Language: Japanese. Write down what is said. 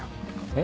え？